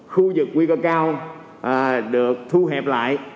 khu vực nguy cơ cao được thu hẹp lại